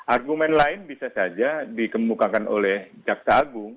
argumen lain bisa saja dikemukakan oleh jaksa agung